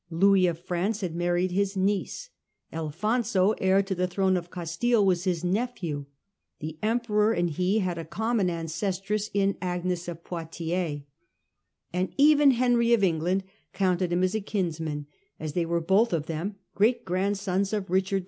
Louis of Prance had married his niece; Alphonso, heir to the throne of Castille, was his nephew; the emperor and he had a common ancestress in Agnes of Poictiers ; and even Henry of England counted him for a kinsman, as they were both of them great grandsons of Richard II.